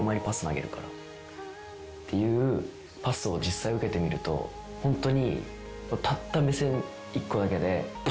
っていうパスを実際受けてみるとホントにたった。